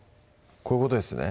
こういうことですね？